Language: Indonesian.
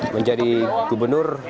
menjadi gubernur jawa barat